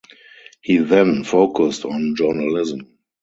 He then focused on journalism.